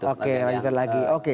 oke lanjutan lagi